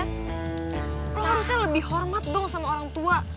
kalau harusnya lebih hormat dong sama orang tua